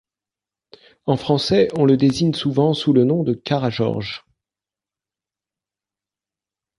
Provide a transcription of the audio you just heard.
En français, on le désigne souvent sous le nom de Karageorges.